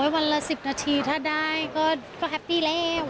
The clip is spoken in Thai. วันละ๑๐นาทีถ้าได้ก็แฮปปี้แล้ว